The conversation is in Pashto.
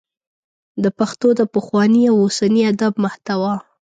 د پښتو د پخواني او اوسني ادب محتوا